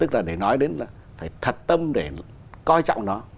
là để nói đến thật tâm để coi trọng nó